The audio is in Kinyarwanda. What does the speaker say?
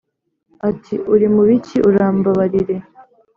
ati"uri mubiki urambabarire"